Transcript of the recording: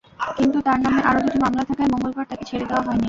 কিন্তু তাঁর নামে আরও দুটি মামলা থাকায় মঙ্গলবার তাঁকে ছেড়ে দেওয়া হয়নি।